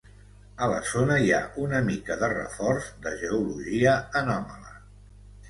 A la zona hi ha una mica de reforç de geologia anòmala.